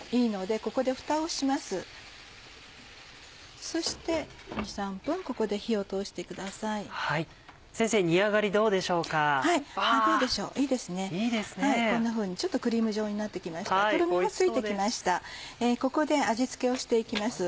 ここで味付けをして行きます。